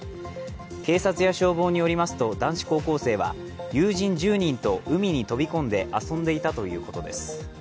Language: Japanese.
警察や消防によりますと、男子高校生は友人１０人と海に飛び込んで遊んでいたということです。